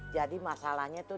jadi masalahnya tuh